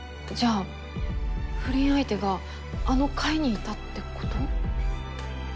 じゃあ不倫相手があの会にいたって事？